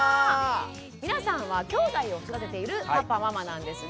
皆さんはきょうだいを育てているパパママなんですね。